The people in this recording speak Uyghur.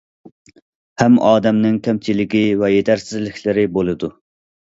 ھەممە ئادەمنىڭ كەمچىلىكى ۋە يېتەرسىزلىكلىرى بولىدۇ.